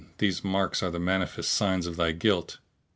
these marks are the manifest signs of thy guilt!"